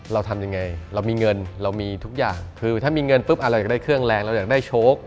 เราทำยังไงเรามีเงินเรามีทุกอย่างคือถ้ามีเงินปุ๊บเราอยากได้เครื่องแรงเราอยากได้โชค